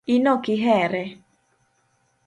inokihere?